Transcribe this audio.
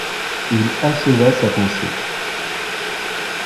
Il acheva sa pensée.